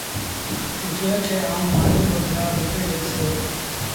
جݩهݩ کي آئوٚنٚ مآݩيٚ رو گرآ ٻوڙي ڏئيٚس